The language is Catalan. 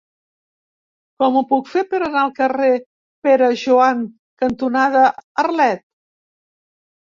Com ho puc fer per anar al carrer Pere Joan cantonada Arlet?